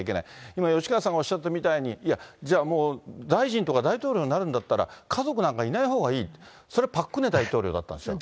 今、吉川さんがおっしゃったみたいに、いや、じゃあ、もう大臣とか大統領になるんだったら、家族なんかいないほうがいい、それ、パク・クネ大統領だったんですよ。